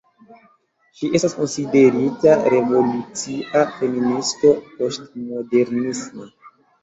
Ŝi estas konsiderita revolucia feministo poŝtmodernisma.